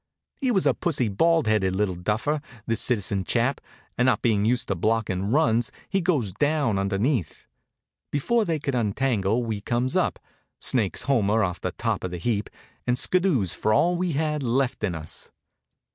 He was a pussy, bald headed little duffer, this citizen chap, and not bein' used to blockin' runs he goes down underneath. Before they could untangle we comes up, snakes Homer off the top of the heap, and skiddoos for all we had left in us.